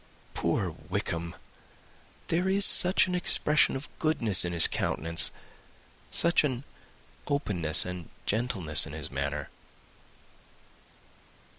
"Poor Wickham! there is such an expression of goodness in his countenance! such an openness and gentleness in his manner."